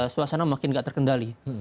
suasana makin nggak terkendali